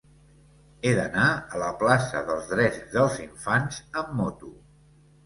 He d'anar a la plaça dels Drets dels Infants amb moto.